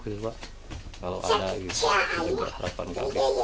kalau ada harapan kami